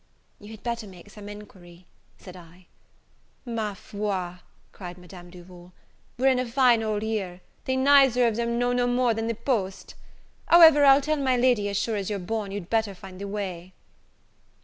"You had better make some enquiry," said I. "Ma foi!" cried Madame Duval, "we're in a fine hole here! they neither of them know no more than the post. However, I'll tell my Lady as sure as you're born, you'd better find the way."